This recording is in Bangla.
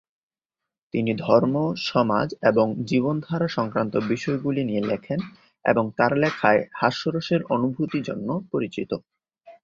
তিনি ধর্ম, সমাজ এবং জীবনধারা সংক্রান্ত বিষয়গুলি নিয়ে লেখেন এবং তার লেখায় 'হাস্যরসের অনুভূতি' জন্য পরিচিত।